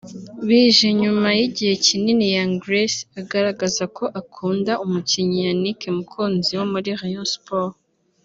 bije nyuma y’igihe kinini Young Grace agaragaza ko akunda umukinnyi Yannick Mukunzi wo muri Rayon Sports